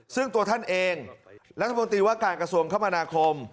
ซึ่งตัวท่านเองรัฐมนตรีว่าการกระทรวงคมนาคม